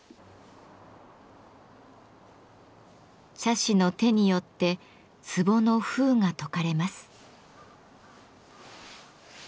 茶師の手によって壺の封が解かれます。